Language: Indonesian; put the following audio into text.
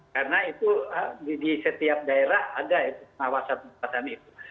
karena itu di setiap daerah ada pengawasan tempatan itu